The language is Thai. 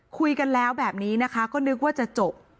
คุยกันแล้วแบบนี้นะคะก็นึกว่าจะจบ